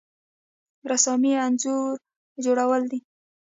رسامي انځور جوړول دي